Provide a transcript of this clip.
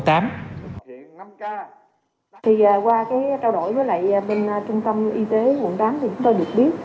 thì qua cái trao đổi với lại bên trung tâm y tế quận tám thì chúng tôi được biết